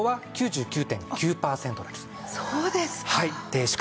そうですか。